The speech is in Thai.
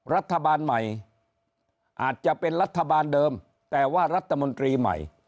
รัฐบาลใหม่อาจจะเป็นรัฐบาลเดิมแต่ว่ารัฐมนตรีใหม่